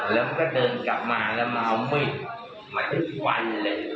แล้วมันก็เดินกลับมาแล้วมาเอามืดมาทุกวันเลย